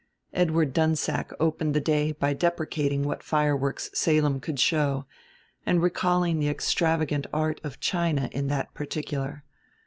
Edward Dunsack opened the day by deprecating what fireworks Salem could show and recalling the extravagant art of China in that particular.